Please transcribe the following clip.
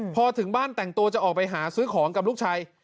พอถึงบ้านแต่งตัวจะออกไปหาซื้อของกับลูกชาย